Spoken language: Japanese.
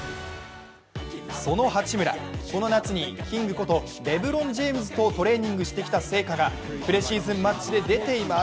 その八村、この夏にキングことレブロン・ジェームズとトレーニングしてきた成果がプレシーズンマッチで出ています。